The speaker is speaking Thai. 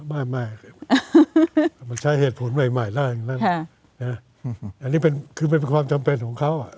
ไม่มันใช้เหตุผลใหม่ได้อันนี้คือเป็นความจำเป็นของเขา